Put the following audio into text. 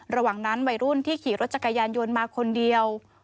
ระหว่างนั้นวัยรุ่นที่ขี่รถจักรยานยนต์มาคนเดียว